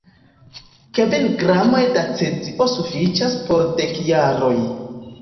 Kvin gramoj da cezio sufiĉas por dek jaroj.